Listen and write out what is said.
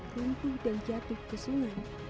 lumpuh dan jatuh ke sungai